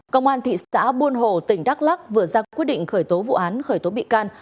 công an thị xã buôn hồ tỉnh đắk lắc vừa ra quyết định khởi tố vụ án khởi tố bị can